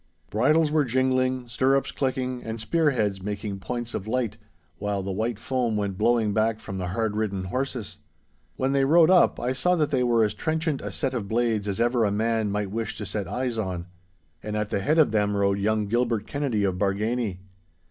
Bridles were jingling, stirrups clicking, and spearheads making points of light, while the white foam went blowing back from the hard ridden horses. When they rode up, I saw that they were as trenchant a set of blades as ever a man might wish to set eyes on. And at the head of them rode young Gilbert Kennedy of Bargany.